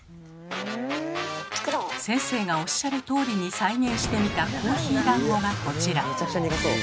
先生がおっしゃるとおりに再現してみたコーヒーだんごがこちら。